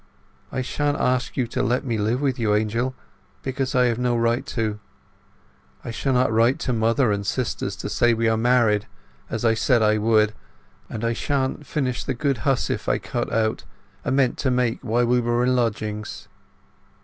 "I shan't ask you to let me live with you, Angel, because I have no right to! I shall not write to mother and sisters to say we be married, as I said I would do; and I shan't finish the good hussif I cut out and meant to make while we were in lodgings."